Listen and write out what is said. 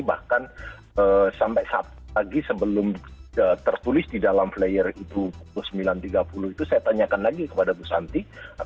bahkan sampai pagi sebelum tertulis di dalam player itu pukul sembilan tiga puluh itu saya tanyakan lagi kepada bu santi